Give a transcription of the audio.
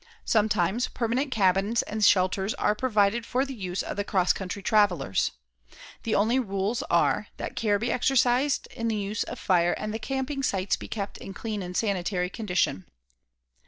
Sometimes, permanent cabins and shelters are provided for the use of the cross country travelers. The only rules are that care be exercised in the use of fire and the camping sites be kept in clean and sanitary condition.